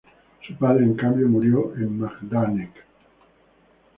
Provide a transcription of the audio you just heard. Su padre, en cambio, murió en Majdanek.